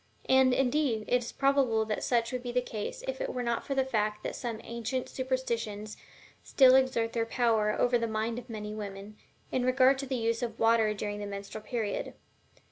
And, indeed, it is probable that such would be the case were it not for the fact that some ancient superstitions still exert their power over the mind of many women, in regard to the use of water during the menstrual period.